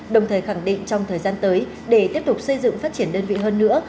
đồng thời khẳng định trong thời gian tới để tiếp tục xây dựng phát triển đơn vị hơn nữa